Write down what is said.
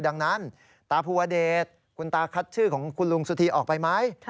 ดังนั้นตาภูวเดชคุณตาคัดชื่อของคุณลุงสุธีออกไปไหม